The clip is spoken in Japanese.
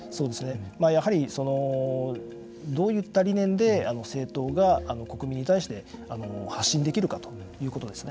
やはりどういった理念で政党が国民に対して発信できるかということですね。